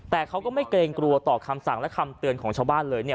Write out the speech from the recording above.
แต่เขาก็ไม่เกรงกลัวต่อคำสั่งและคำเตือนของชาวบ้านเลยเนี่ย